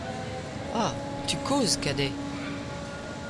Ah ! tu causes, Cadet !...